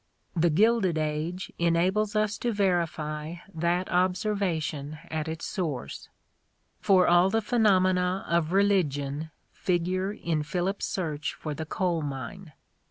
"The Gilded Age" enables us to verify that observation at the source; for all the phenomena of religion figure in Philip's search for the coal mine.